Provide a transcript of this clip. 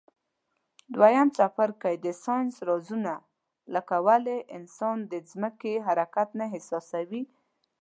دویم څپرکی د ساینس رازونه لکه ولي انسان د ځمکي حرکت نه احساسوي.